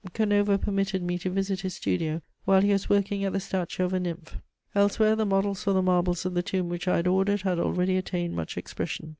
Canova permitted me to visit his studio while he was working at the statue of a nymph. Elsewhere the models for the marbles of the tomb which I had ordered had already attained much expression.